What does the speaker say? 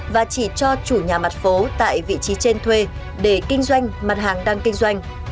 và chỉ cho chủ nhà mặt phố tại vị trí trên thuê để kinh doanh mặt hàng đang kinh doanh